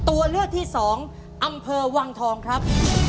ตัวเลือกที่สองอำเภอวังทองครับ